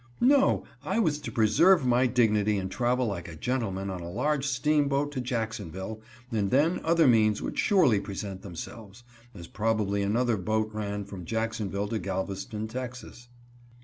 No, I was to preserve my dignity and travel like a gentleman on a large steamboat to Jacksonville, and then other means would surely present themselves, as probably another boat ran from Jacksonville to Galveston, Texas.